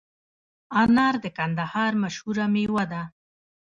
انار د کندهار مشهوره میوه ده